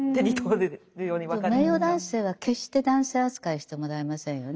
名誉男性は決して男性扱いしてもらえませんよね。